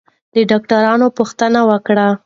له ډاکټرانو پوښتنې وکړئ.